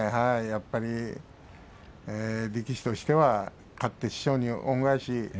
やっぱり力士としては勝って師匠に恩返し。